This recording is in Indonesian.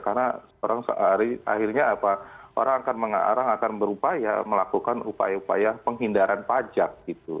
karena akhirnya orang akan berupaya melakukan upaya upaya penghindaran pajak